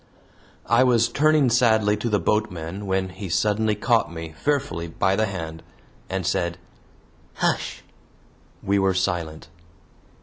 I was turning sadly to the boatmen when he suddenly caught me fearfully by the hand and said: "Hush!" We were silent.